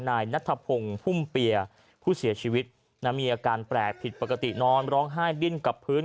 นายนัทพงศ์พุ่มเปียผู้เสียชีวิตมีอาการแปลกผิดปกตินอนร้องไห้ดิ้นกับพื้น